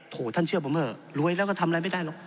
ท่านเชื่อผมเถอะรวยแล้วก็ทำอะไรไม่ได้หรอก